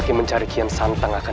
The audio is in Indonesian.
suruh mereka amor